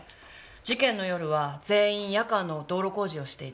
事件の夜は全員夜間の道路工事をしていて。